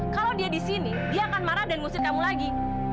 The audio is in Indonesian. kalau dia di sini dia akan marah dan ngusir kamu lagi